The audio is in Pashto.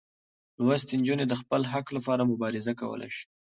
لوستې نجونې د خپل حق لپاره مبارزه کولی شي.